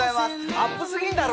アップ過ぎんだろ。